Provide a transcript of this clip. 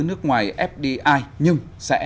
nước ngoài fdi nhưng sẽ